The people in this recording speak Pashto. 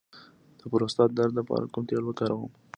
د پروستات د درد لپاره کوم تېل وکاروم؟